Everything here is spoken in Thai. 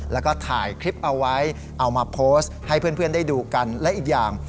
แล้วก็ถ่ายคลิปเอาไว้เอามาโพสต์ให้เพื่อนได้ดูกันและอีกอย่าง